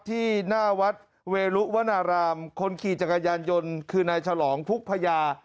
ที่หน้าวัดเวรุวนารามคนขี่จักรยานยนต์คือนายฉลองพุกพญา